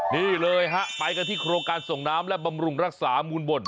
นี่เลยฮะไปกันที่โครงการส่งน้ำและบำรุงรักษามูลบท